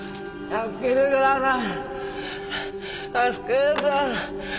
助けてください！